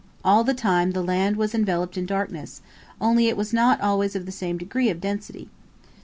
All the time the land was enveloped in darkness, only it was not always of the same degree of density.